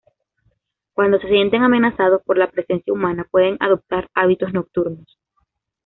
Cuando se sienten amenazados por la presencia humana, pueden adoptar hábitos nocturnos.